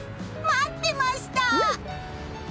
待ってました！